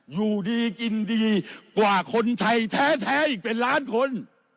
อยู่ดีกินดีกว่าคนไทยแท้อีกเป็นล้านคน